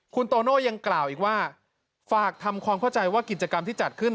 คุณโตโน่ยังกล่าวอีกว่าฝากทำความเข้าใจว่ากิจกรรมที่จัดขึ้น